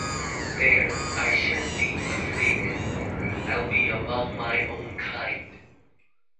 There, I shan't be afraid anymore: I'll be among my own kind!